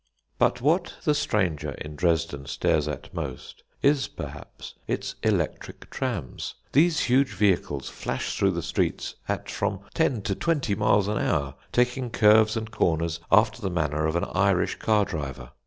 But what the stranger in Dresden stares at most is, perhaps, its electric trams. These huge vehicles flash through the streets at from ten to twenty miles an hour, taking curves and corners after the manner of an Irish car driver.